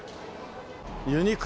「ユニクロ」。